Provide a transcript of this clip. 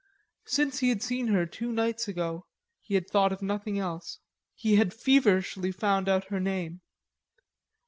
Since he had seen her two nights ago, he had thought of nothing else. He had feverishly found out her name.